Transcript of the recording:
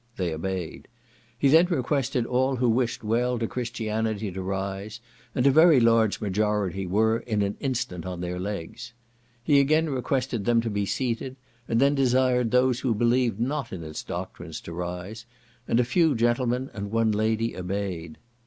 They obeyed. He then requested all who wished well to Christianity to rise, and a very large majority were in an instant on their legs. He again requested them to be seated, and then desired those who believed not in its doctrines to rise, and a few gentlemen and one lady obeyed.